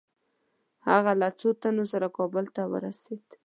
هغه له څو تنو سره کابل ته ورسېد.